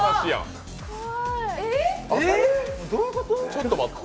ちょっと待って。